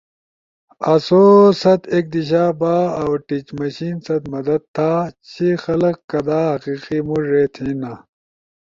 سو ست ایک دیشا با اؤ ٹیچ مشین ست مدد تھا چی خلق کدا ھقیقی موڙے تھینا